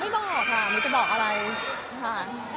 ไม่บอกค่ะไม่จะบอกอะไรค่ะ